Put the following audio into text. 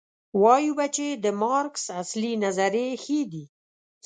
وایو به چې د مارکس اصلي نظریې ښې دي.